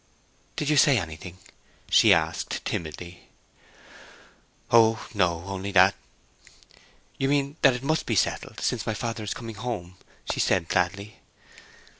"Did you say anything?" she asked, timidly. "Oh no—only that—" "You mean that it must be already settled, since my father is coming home?" she said, gladly.